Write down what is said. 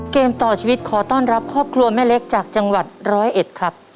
เกมต่อชีวิตขอต้อนรับครอบครัวแม่เล็กจากจังหวัดร้อยเอ็ดครับ